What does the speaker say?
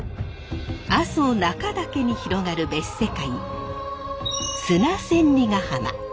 阿蘇中岳に広がる別世界砂千里ヶ浜。